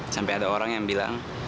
sampai ada orang yang bilang